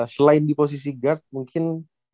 selain di posisi guard mungkin